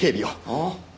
ああ。